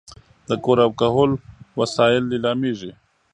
د کور او کهول وسایل لیلامېږي.